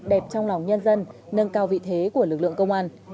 đẹp trong lòng nhân dân nâng cao vị thế của lực lượng công an